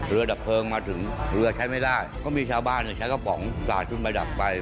เรือดับเพลิงมาถึงเรือใช้ไม่ได้ก็มีชาวบ้านเนี่ยใช้กระป๋องสาดทุนไปดับไป